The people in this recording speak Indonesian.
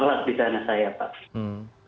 terlepas di sana saya pak